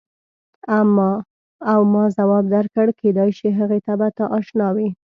او ما ځواب درکړ کېدای شي هغې ته به ته اشنا وې.